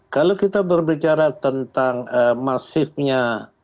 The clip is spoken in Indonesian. kalau kita berbicara tentang masifnya